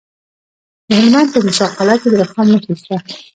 د هلمند په موسی قلعه کې د رخام نښې شته.